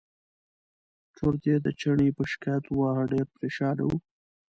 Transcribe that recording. چورت یې د چڼي په شکایت وواهه ډېر پرېشانه و.